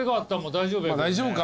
大丈夫か。